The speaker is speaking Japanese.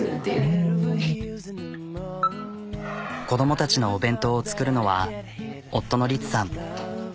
子どもたちのお弁当を作るのは夫の率さん。